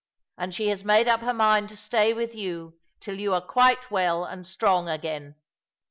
And she has made up her mind to stay with you till you are quite well and strong again."